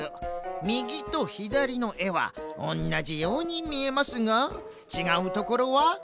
みぎとひだりのえはおんなじようにみえますがちがうところは３つ。